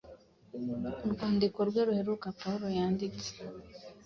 Mu rwandiko rwe ruheruka Pawulo yanditse,